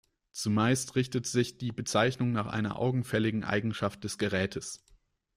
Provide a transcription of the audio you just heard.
Zumeist richtet sich die Bezeichnung nach einer augenfälligen Eigenschaft des Gerätes.